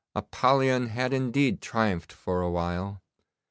Apollyon had indeed triumphed for a while.